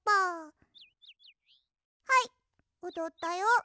はいおどったよ。